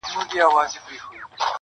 جهاني به پر لکړه پر کوڅو د جانان ګرځي-